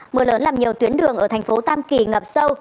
mưa lớn làm nhiều tuyến đường ở thành phố tam kỳ ngập sâu